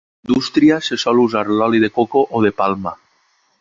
A la indústria se sol usar l'oli de coco o de palma.